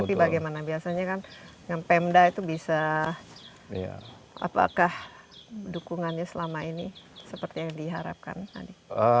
tapi bagaimana biasanya kan dengan pemda itu bisa apakah dukungannya selama ini seperti yang diharapkan adi